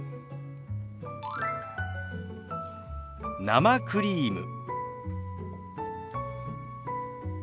「生クリーム」。